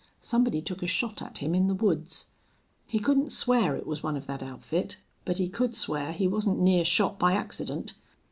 Somebody took a shot at him in the woods. He couldn't swear it was one of that outfit, but he could swear he wasn't near shot by accident.